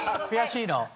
悔しいの？